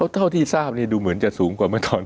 เท่าที่ทราบนี่ดูเหมือนจะสูงกว่าเมื่อก่อน